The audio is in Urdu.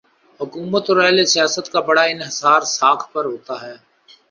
حکومت اوراہل سیاست کا بڑا انحصار ساکھ پر ہوتا ہے۔